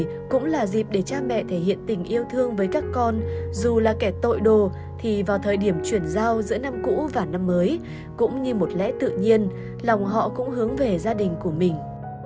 đây cũng là dịp để cha mẹ thể hiện tình yêu thương với các con dù là kẻ tội đồ thì vào thời điểm chuyển giao giữa năm cũ và năm mới cũng như một lẽ tự nhiên lòng họ cũng hướng về gia đình của mình